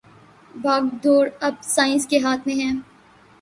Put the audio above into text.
باگ ڈور اب سائنس کے ہاتھ میں ھے